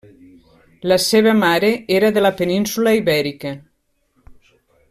La seva mare era de la península Ibèrica.